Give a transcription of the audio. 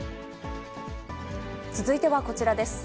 続いてはこちらです。